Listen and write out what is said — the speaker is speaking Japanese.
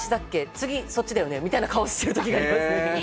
次そっちだよねみたいな顔してるときがありますね。